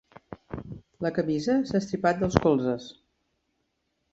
La camisa s'ha estripat dels colzes.